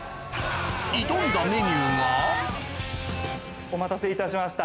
挑んだメニューがお待たせいたしました！